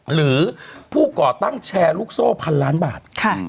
หรือผู้ก่อตั้งแชร์ลูกโซ่พันล้านบาท